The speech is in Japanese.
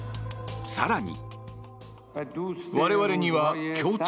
更に。